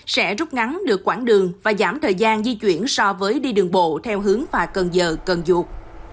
sẽ rút ngắn được quãng đường và giảm thời gian di chuyển so với đi đường bộ theo hướng pha cần giờ cần duộc